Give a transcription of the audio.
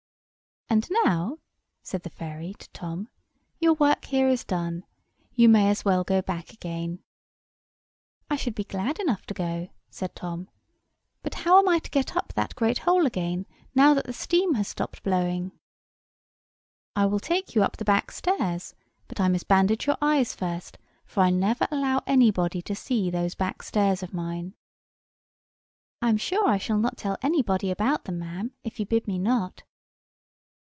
"And now," said the fairy to Tom, "your work here is done. You may as well go back again." "I should be glad enough to go," said Tom, "but how am I to get up that great hole again, now the steam has stopped blowing?" "I will take you up the backstairs: but I must bandage your eyes first; for I never allow anybody to see those backstairs of mine." "I am sure I shall not tell anybody about them, ma'am, if you bid me not."